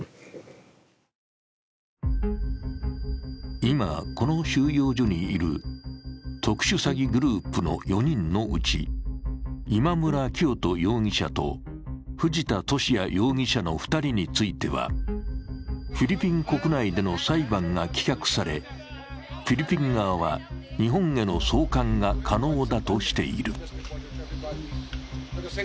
今この収容所にいる特殊詐欺グループの４人のうち今村磨人容疑者と藤田聖也容疑者の２人についてはフィリピン国内での裁判が棄却され、フィリピン側は日本への送還が可能だとしている。